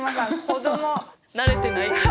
子供慣れてない感じ